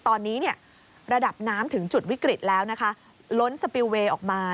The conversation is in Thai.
ตอนนี้เนี่ยระดับน้ำถึงจุดวิกฤตแล้วนะคะล้นสปิลเวย์ออกมา